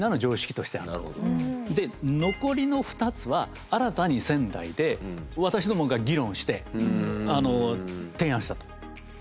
で残りの２つは新たに仙台で私どもが議論して提案したと。